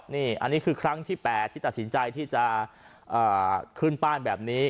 นี่คือครั้งที่๘ที่ตัศนใจที่จะขึ้นบ้านแบบนี้